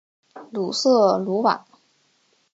鲁瑟卢瓦。